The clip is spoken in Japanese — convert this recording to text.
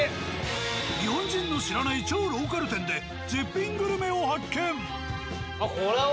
日本人の知らない超ローカル店で絶品グルメを発見。